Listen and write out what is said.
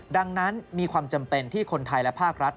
ดังนั้นมีความจำเป็นที่คนไทยและภาครัฐ